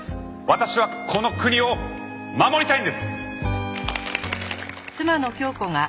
私はこの国を守りたいんです！